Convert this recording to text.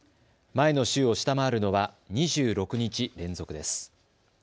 前の週を下回るのは２６日連続です。